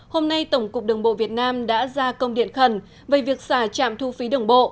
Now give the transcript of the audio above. hôm nay tổng cục đường bộ việt nam đã ra công điện khẩn về việc xả trạm thu phí đường bộ